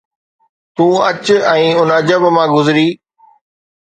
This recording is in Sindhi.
تون اچ ۽ ان عجب مان گذري